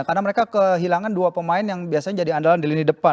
karena mereka kehilangan dua pemain yang biasanya jadi andalan di lini depan